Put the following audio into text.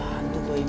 apaan tuh gue yang